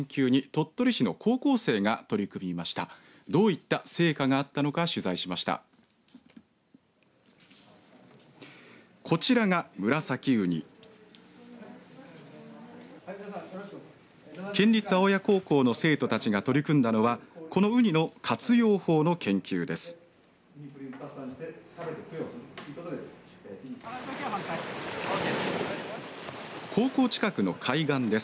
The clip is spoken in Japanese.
県立青谷高校の生徒たちが取り組んだのはこの、うにの活用法の研究です。